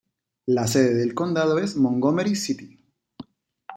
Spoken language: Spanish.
La sede del condado es Montgomery City.